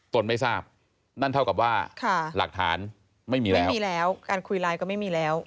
นไม่ทราบนั่นเท่ากับว่าหลักฐานไม่มีแล้วไม่มีแล้วการคุยไลน์ก็ไม่มีแล้ว